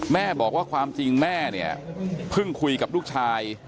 แม่บอกว่าความจริงแม่เนี่ยเพิ่งคุยกับลูกชาย